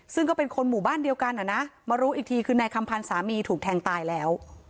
ซึ่งก็เป็นคนหมู่บ้านเดียวกันอ่ะนะมารู้อีกทีคือนายคำพันธ์สามีถูกแทงตายแล้ว